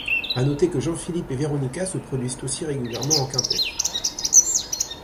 À noter que Jean-Philippe et Veronika se produisent aussi régulièrement en quintet.